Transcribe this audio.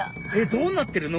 どうなってるの？